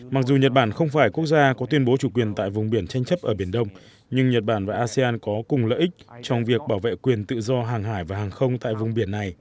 mặc dù nhật bản không phải quốc gia có tuyên bố chủ quyền tại vùng biển tranh chấp ở biển đông nhưng nhật bản và asean có cùng lợi ích trong việc bảo vệ quyền tự do hàng hải và hàng không tại vùng biển này